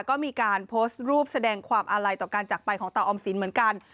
ก็มีการโพสต์รูปแสดงความอาลัยต่อการจักรไปของเตาออมสินเหมือนกัน